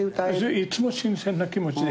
いつも新鮮な気持ちで。